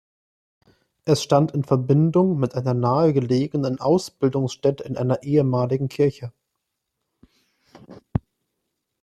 Es stand in Verbindung mit einer nahegelegenen Ausbildungsstätte in einer ehemaligen Kirche.